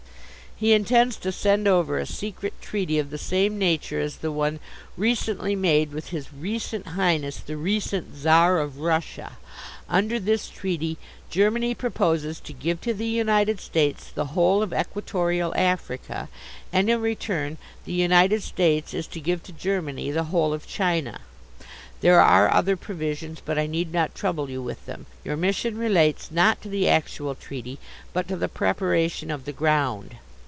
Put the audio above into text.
"He intends to send over a secret treaty of the same nature as the one recently made with his recent Highness the recent Czar of Russia. Under this treaty Germany proposes to give to the United States the whole of equatorial Africa and in return the United States is to give to Germany the whole of China. There are other provisions, but I need not trouble you with them. Your mission relates, not to the actual treaty, but to the preparation of the ground."